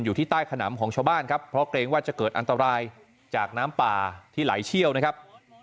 อยู่ที่ใต้ขนำของชาวบ้านครับเพราะเกรงว่าจะเกิดอันตรายจากน้ำป่าที่ไหลเชี่ยวนะครับ